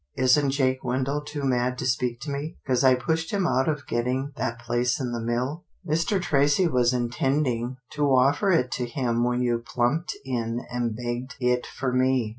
Isn't Jake Wendell too mad to speak to me, 'cause I pushed him out of getting that place in the mill? Mr. Tracy was intending 'TILDA JANE'S ERRAND 49 to offer it to him when you plumped in and begged it for me."